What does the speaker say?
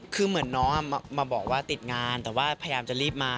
คือเหมือนน้องมาบอกว่าติดงานแต่ว่าพยายามจะรีบมา